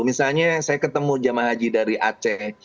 misalnya saya ketemu jemaah haji dari aceh